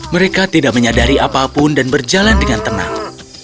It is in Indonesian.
mereka tidak menyadari apapun dan berjalan dengan tenang